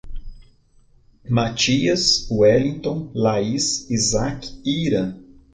Matias, Wellington, Laís, Isac e Iran